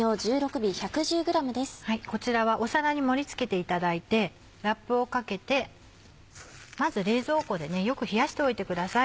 こちらは皿に盛り付けていただいてラップをかけてまず冷蔵庫でよく冷やしておいてください。